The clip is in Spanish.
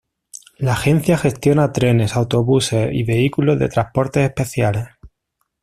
La agencia gestiona trenes, autobuses, y vehículos de transportes especiales.